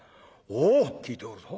「おう聞いておるぞ。